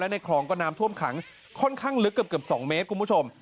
ในคลองก็น้ำท่วมขังค่อนข้างลึกเกือบ๒เมตรคุณผู้ชม